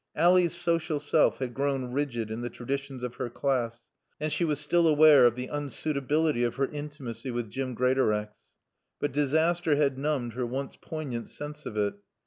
Ally's social self had grown rigid in the traditions of her class, and she was still aware of the unsuitability of her intimacy with Jim Greatorex; but disaster had numbed her once poignant sense of it.